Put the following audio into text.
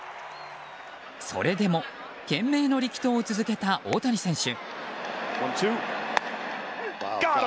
それでも、懸命の力投を続けた大谷選手。